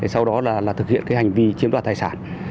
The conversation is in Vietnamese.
sau đó là thực hiện cái hành vi chiếm đoạt tài sản